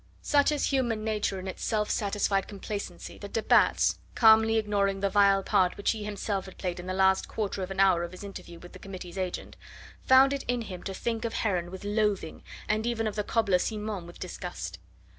Such is human nature in its self satisfied complacency that de Batz, calmly ignoring the vile part which he himself had played in the last quarter of an hour of his interview with the Committee's agent, found it in him to think of Heron with loathing, and even of the cobbler Simon with disgust.